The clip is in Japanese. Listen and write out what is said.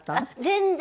全然。